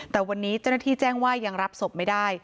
แต่วันนี้เจ้าหน้าที่แจ้งว่ายังรับศพไม่ได้